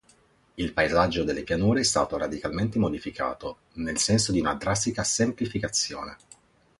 Il paesaggio delle pianure è stato radicalmente modificato, nel senso di una drastica semplificazione.